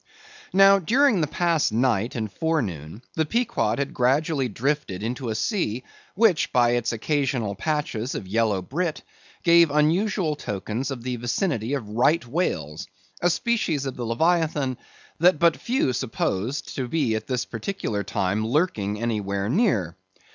Now, during the past night and forenoon, the Pequod had gradually drifted into a sea, which, by its occasional patches of yellow brit, gave unusual tokens of the vicinity of Right Whales, a species of the Leviathan that but few supposed to be at this particular time lurking anywhere near.